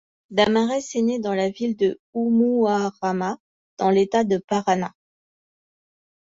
Damares est née dans la ville de Umuarama, dans l'état de Paraná.